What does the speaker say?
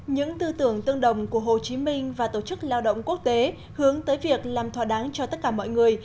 những tư tưởng tương đồng của hồ chí minh và tổ chức lao động quốc tế hướng tới việc làm thỏa đáng cho tất cả mọi người